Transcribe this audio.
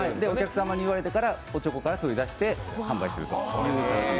お客様に言われてからおちょこから取り出して販売するとい。